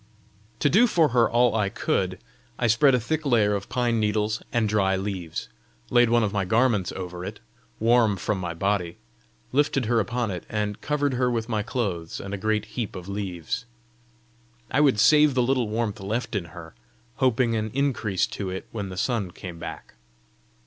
To do for her all I could, I spread a thick layer of pine needles and dry leaves, laid one of my garments over it, warm from my body, lifted her upon it, and covered her with my clothes and a great heap of leaves: I would save the little warmth left in her, hoping an increase to it when the sun came back.